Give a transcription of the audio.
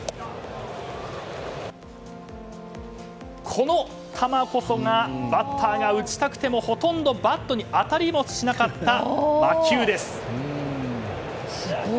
この球こそがバッターが打ちたくてもほとんどバットに当たりもしなかった魔球です。